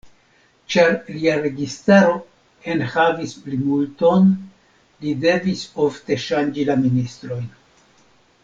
Ĉar lia registaro en havis plimulton, li devis ofte ŝanĝi la ministrojn.